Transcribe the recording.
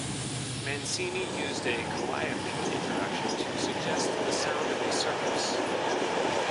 Mancini used a calliope introduction to suggest the sound of a circus.